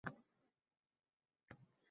Quyoshli iqlim, mehnatkash qo‘llarning ko‘pligi